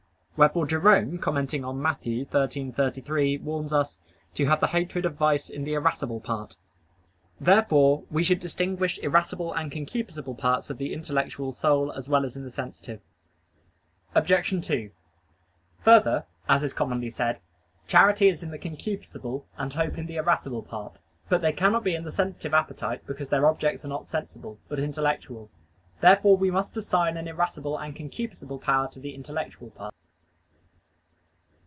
Wherefore Jerome commenting on Matt. 13:33 warns us "to have the hatred of vice in the irascible part." Therefore we should distinguish irascible and concupiscible parts of the intellectual soul as well as in the sensitive. Obj. 2: Further, as is commonly said, charity is in the concupiscible, and hope in the irascible part. But they cannot be in the sensitive appetite, because their objects are not sensible, but intellectual. Therefore we must assign an irascible and concupiscible power to the intellectual part.